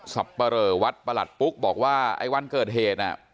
ับปะเหลอวัดประหลัดปุ๊กบอกว่าไอ้วันเกิดเหตุน่ะ